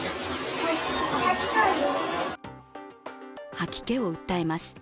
吐き気を訴えます。